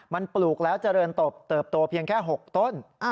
มันปลูกแล้วเจริญตบเติบโตเพียงแค่๖ต้น